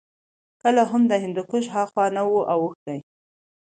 کله هم د هندوکش هاخوا نه وو اوښتي